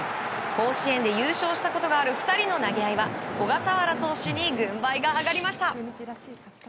甲子園で優勝したことがある２人の投げ合いは小笠原投手に軍配が上がりました。